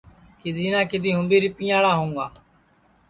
کِدھی نہ کِدھی ہوں بھی رِپیاڑا ہوںگا